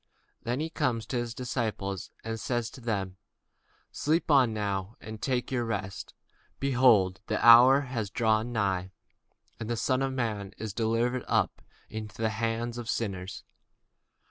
Then cometh he to his disciples, and saith unto them, Sleep on now, and take your rest: behold, the hour is at hand, and the Son of man is betrayed into the hands of sinners.